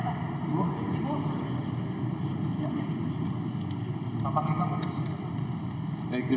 ibu boleh ada pertanyaan ibu ibu